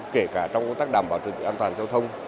kể cả trong công tác đảm bảo trực tự an toàn giao thông